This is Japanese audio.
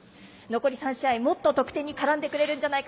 残り３試合、もっと得点に絡んでくれるんじゃないか。